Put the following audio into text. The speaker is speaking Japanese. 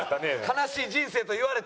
「悲しい人生」と言われても。